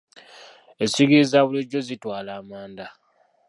Essigiri za bulijjo zitwala amanda.